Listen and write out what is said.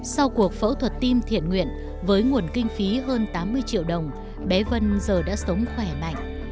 sau cuộc phẫu thuật tim thiện nguyện với nguồn kinh phí hơn tám mươi triệu đồng bé vân giờ đã sống khỏe mạnh